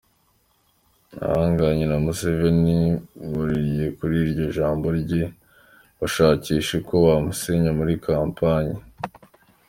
Abahanganye na Museveni buririye kuri iryo jambo rye bashakisha uko bamusenya muri kampanye.